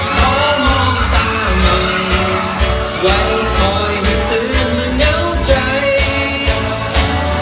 ขอมองตาหน่อยไว้คอยให้ตื่นมาเหงาใจ